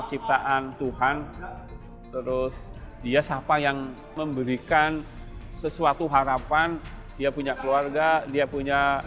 ciptaan tuhan terus dia siapa yang memberikan sesuatu harapan dia punya keluarga dia punya